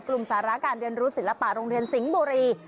กรุ่มศาลาการเรียนรู้ศิลปโรงแรนสิงห์บุรี